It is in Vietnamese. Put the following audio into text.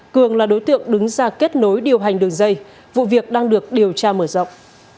cường là đối tượng đứng ra kết nối điều hành đường dây vụ việc đang được điều tra mở rộng